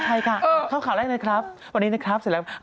ฉันมาอยากจำเป็นพิธีกรพูดอีกอ่ะเขาบ้างเนอะ